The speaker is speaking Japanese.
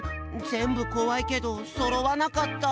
ぜんぶこわいけどそろわなかった。